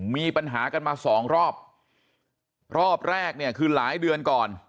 มีปัญหากันมาสองรอบรอบแรกเนี่ยคือหลายเดือนก่อน